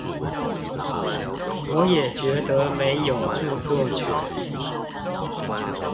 我也覺得沒有著作權